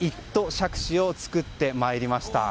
杓子を作ってきました。